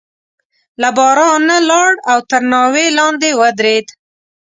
له بارانه لاړ او تر ناوې لاندې ودرېد.